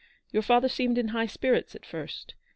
Your father seemed in high spirits at first.